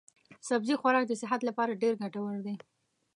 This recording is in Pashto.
سبزي خوراک د صحت لپاره ډېر ګټور دی.